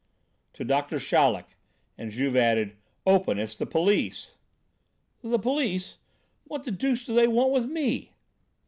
"To Doctor Chaleck." And Juve added: "Open, it's the police." "The police! What the deuce do they want with me?"